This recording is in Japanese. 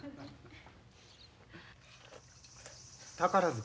宝塚？